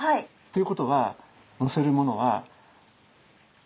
ということは乗せるものは。